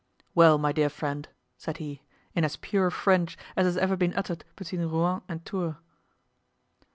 "Well, my dear friend?" said he, in as pure French as has ever been uttered between Rouen and Tours.